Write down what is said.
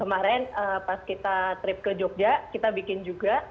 kemarin pas kita trip ke jogja kita bikin juga